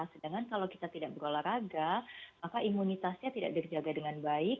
sedangkan kalau kita tidak berolahraga maka imunitasnya tidak terjaga dengan baik